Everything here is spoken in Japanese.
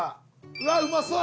うわっうまそう！